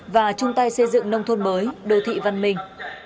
và chung tay xây dựng nông thôn mới đô thị văn minh